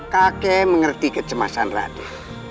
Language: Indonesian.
kake mengerti kecemasan raden